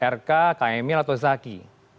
rk km atau zaki